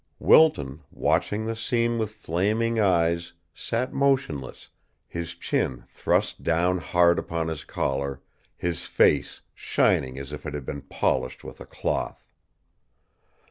Wilton, watching the scene with flaming eyes, sat motionless, his chin thrust down hard upon his collar, his face shining as if it had been polished with a cloth.